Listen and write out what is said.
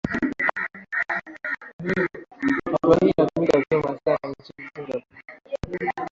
Hatua hii inatumika vyema sana nchini Singapore